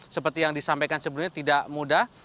seperti yang disampaikan sebelumnya tidak mudah